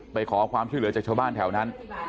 ไปขอความช่วยเหลือจากชาวบ้านแถวนั้น